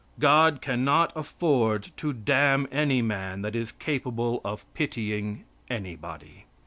God cannot afford to damn any man that is capable of pitying anybody.